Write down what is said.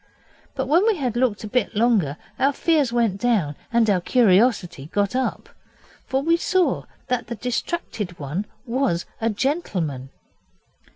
But when we had looked a bit longer our fears went down and our curiosity got up. For we saw that the distracted one was a gentleman.